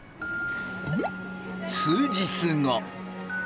数日後。